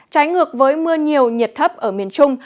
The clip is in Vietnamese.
trái ngược với mưa nhiều nhiệt thấp ở miền trung